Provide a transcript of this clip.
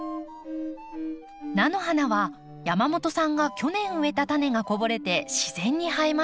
菜の花は山本さんが去年植えたタネがこぼれて自然に生えました。